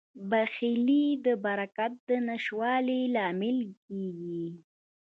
بخیلي د برکت د نشتوالي لامل کیږي.